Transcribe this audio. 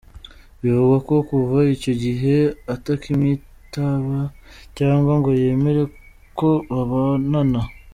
Bivugwa ko kuva icyo gihe atakimwitaba cyangwa ngo yemere ko babonana.